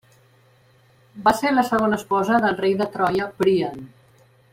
Va ser la segona esposa del rei de Troia Príam.